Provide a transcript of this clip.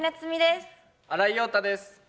新井庸太です。